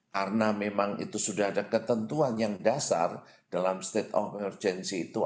karena memang itu sudah ada ketentuan yang dasar dalam stage of emergency itu